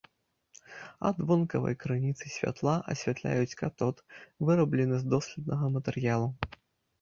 Ад вонкавай крыніцы святла асвятляюць катод, выраблены з доследнага матэрыялу.